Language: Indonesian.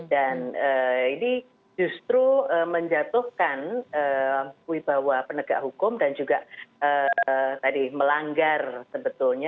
dan ini justru menjatuhkan wibawa penegak hukum dan juga tadi melanggar sebetulnya